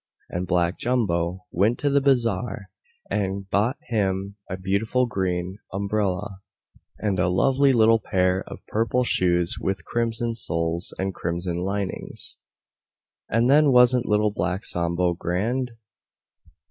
And Black Jumbo went to the Bazaar, and bought him a beautiful Green Umbrella, and a lovely little Pair of Purple Shoes with Crimson Soles and Crimson Linings. And then wasn't Little Black Sambo grand?